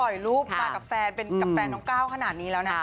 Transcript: ปล่อยรูปรอบกับแฟนกับแฟนน้องก้าวขนาดนี้แล้วนะ